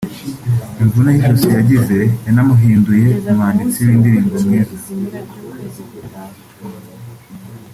iyi mvune y’ijosi yagize yanamuhinduye umwanditsi w’indirimbo mwiza